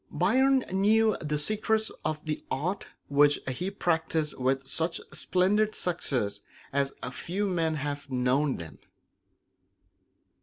Byron knew the secrets of the art which he practiced with such splendid success as few men have known them.